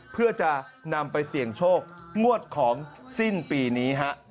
เพื่อจะนำไปเสี่ยงโชคงวดของสิ้นปีนี้ฮะ